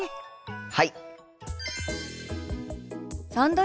はい！